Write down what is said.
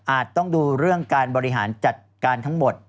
ต้องดูเรื่องการบริหารจัดการทั้งหมด